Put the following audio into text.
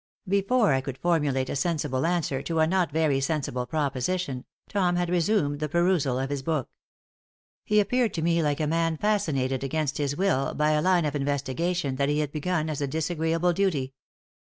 Before I could formulate a sensible answer to a not very sensible proposition Tom had resumed the perusal of his book. He appeared to me like a man fascinated against his will by a line of investigation that he had begun as a disagreeable duty.